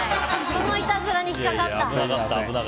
そのいたずらに引っかかった！